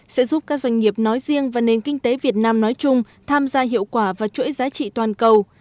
sẽ giúp các doanh nghiệp nói riêng và nền kinh tế việt nam nói chung tham gia hiệu quả vào chuỗi giá trị toàn cầu